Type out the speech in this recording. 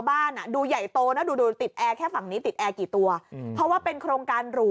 บ้านน่ะดูใหญ่โตแล้วดูติดแอร์แค่หังกี่ตัวเพราะว่าเป็นโครงการ